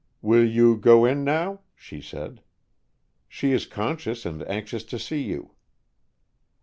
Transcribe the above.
"Will you go in now?" she said. "She is conscious and anxious to see you."